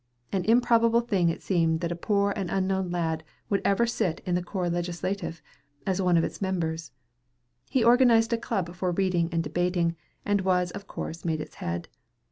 An improbable thing it seemed that a poor and unknown lad would ever sit in the Corps Legislatif, as one of its members! He organized a club for reading and debating, and was of course made its head.